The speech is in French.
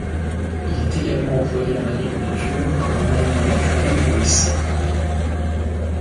Il est également employé en agriculture comme amendement naturel pour les sols.